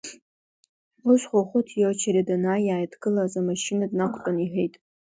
Ус Хәыхәыт иочеред анааи, иааидгылаз амашьына днақәтәан иҳәеит…